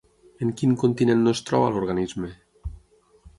En quin continent no es troba l'organisme?